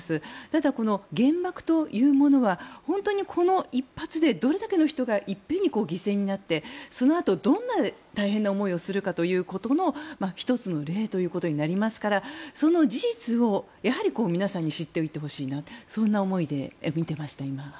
ただ、この原爆というものは本当にこの１発でどれだけの人が一遍に犠牲になってそのあと、どんな大変な思いをするかということの１つの例ということになりますから、その事実をやはり皆さんに知っておいてほしいなとそんな思いで今、見ていました。